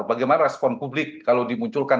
bagaimana respon publik kalau dimunculkan